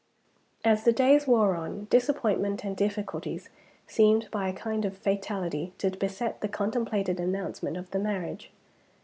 As the days wore on, disappointments and difficulties seemed by a kind of fatality to beset the contemplated announcement of the marriage.